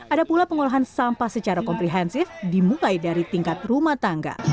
ada pula pengolahan sampah secara komprehensif dimulai dari tingkat rumah tangga